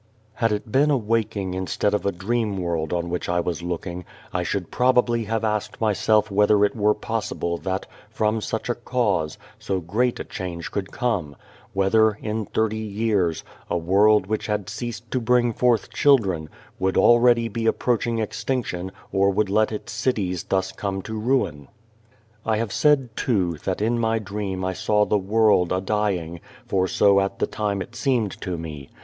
Had it been a waking instead of a dream world on which I was looking, I should pro bably have asked myself whether it were possible that, from such a cause, so great a change could come whether, in thirty years, a world, which had ceased to bring forth children, would already be approaching extinction or would let its cities thus come to ruin. I have said, too, that in my dream I saw the 288 Without a Child "world" a dying, for so at the time it seemed to me.